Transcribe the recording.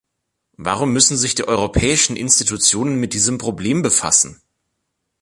Warum müssen sich die europäischen Institutionen mit diesem Problem befassen?